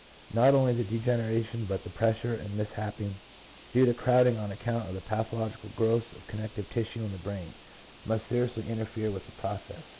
Not only the de generation but the pressure and misshaping, due to crowding on account of pathological growths of con nective tissue in the brain, must seriously interfere with the process.